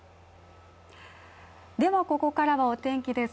ここからはお天気です。